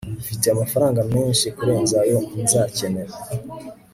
mfite amafaranga menshi kurenza ayo nzakenera